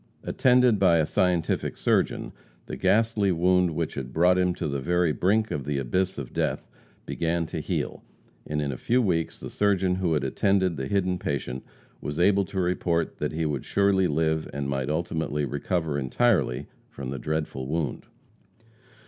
Attended by a scientific surgeon, the ghastly wound which had brought him to the very brink of the abyss of death, began to heal, and in a few weeks the surgeon who had attended the hidden patient was able to report that he would surely live and might ultimately recover entirely from the dreadful wound.